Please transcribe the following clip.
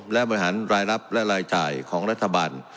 และบริหารรายรับและรายจ่ายของรัฐบาล